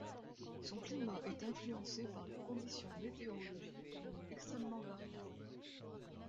Son climat est influencé par les conditions météorologiques extrêmement variables.